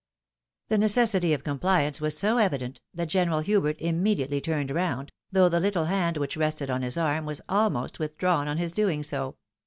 The necessity of compliance was so evident, that General Hubert immediately turned round, though the httle hand which rested on his arm was almost withdrawn on his doing so.